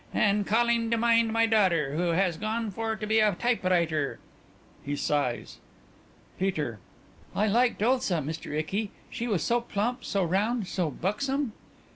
And calling to mind my daughter, who has gone for to be a typewriter.... (He sighs.) PETER: I liked Ulsa, Mr. Icky; she was so plump, so round, so buxom.